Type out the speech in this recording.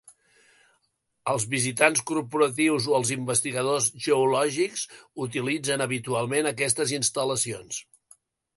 Els visitants corporatius o els investigadors geològics utilitzen habitualment aquestes instal·lacions.